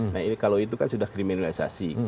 nah ini kalau itu kan sudah kriminalisasi